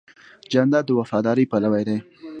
جانداد د وفادارۍ پلوی دی.